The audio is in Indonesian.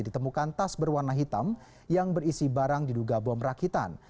ditemukan tas berwarna hitam yang berisi barang diduga bom rakitan